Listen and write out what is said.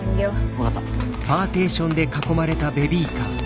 分かった。